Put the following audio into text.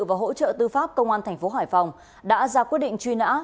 và hỗ trợ tư pháp công an tp hải phòng đã ra quyết định truy nã